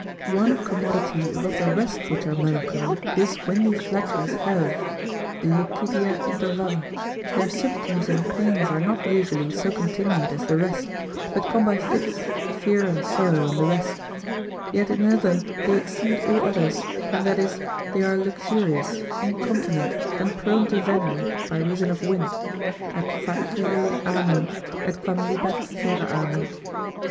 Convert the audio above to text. One commodity above the rest which are melancholy, these windy flatuous have, lucidia intervalla, their symptoms and pains are not usually so continuate as the rest, but come by fits, fear and sorrow, and the rest: yet in another they exceed all others; and that is, they are luxurious, incontinent, and prone to venery, by reason of wind, et facile amant, et quamlibet fere amant.